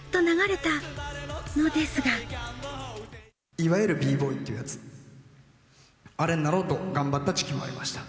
いわゆるＢボーイってやつ、あれになろうと思った時期もありました。